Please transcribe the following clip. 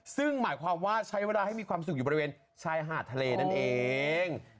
ซึ่งหมายความว่าใช้เวลาให้มีความสุขอยู่บริเวณชายหาดทะเลนั่นเอง